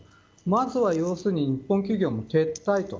まずは要するに日本企業の撤退